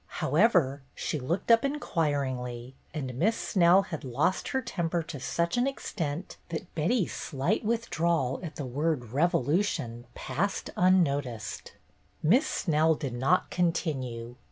However, she looked up inquiringly, and Miss Snell had lost her temper to such an extent that Betty's slight withdrawal at the word "revolution" passed unnoticed. *3 194 BETTY BAIRD'S GOLDEN YEAR Miss Snell did not continue.